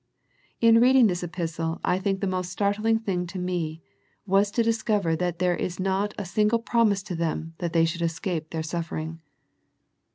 In reading this epistle I think the most startling thing to me was to discover that there is not a single promise to them that they should escape their suffering.